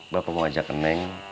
bapak mau ajak neng